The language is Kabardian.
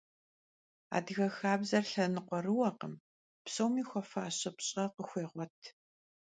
Adıge xabzer lhenıkhuerıuekhım, psomi xuefaşe pş'e khıxuêğuet.